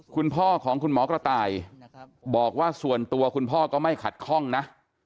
คุณพ่อของคุณหมอกระต่ายบอกว่าส่วนตัวคุณพ่อก็ไม่ขัดข้องนะ